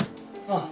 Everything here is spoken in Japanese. ああ。